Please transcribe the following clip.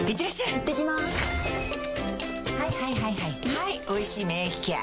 はい「おいしい免疫ケア」